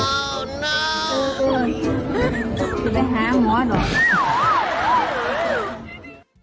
จะไปหาหมอหรอ